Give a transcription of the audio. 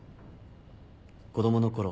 子供のころ